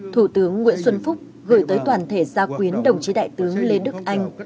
thủ tướng nguyễn xuân phúc gửi tới toàn thể gia quyến đồng chí đại tướng lê đức anh